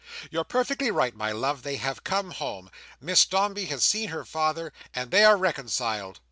"You're perfectly right, my love, they have come home. Miss Dombey has seen her father, and they are reconciled!"